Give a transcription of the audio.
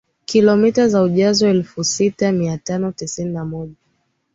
kilomita za ujazo elfusita miatano tisini na moja